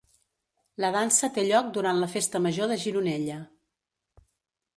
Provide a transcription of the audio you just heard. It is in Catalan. La dansa té lloc durant la Festa Major de Gironella.